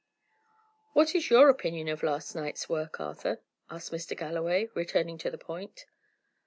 "What is your opinion of last night's work, Arthur?" asked Mr. Galloway, returning to the point.